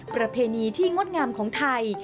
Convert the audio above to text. ประเพณีที่งดงามของไทย